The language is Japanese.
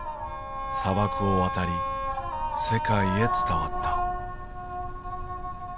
砂漠を渡り世界へ伝わった。